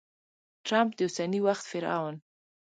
ټرمپ د اوسني وخت فرعون!